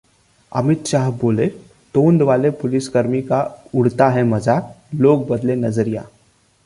अमित शाह बोले- तोंद वाले पुलिसकर्मी का उड़ता है मजाक, लोग बदलें नजरिया